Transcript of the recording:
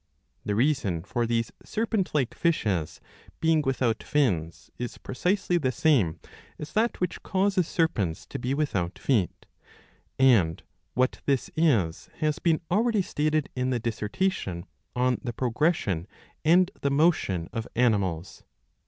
The reason for these serpent like fishes being without fins is precisely the same as that which causes serpents to be without feet ; and what this is has been already stated in the dissertation on the Pro gression and the Motion of Animals.'